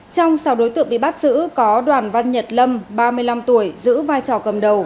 trong sáu đối tượng bị bắt giữ có đoàn văn nhật lâm ba mươi năm tuổi giữ vai trò cầm đầu